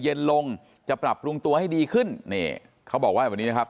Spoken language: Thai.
เย็นลงจะปรับปรุงตัวให้ดีขึ้นนี่เขาบอกว่าแบบนี้นะครับ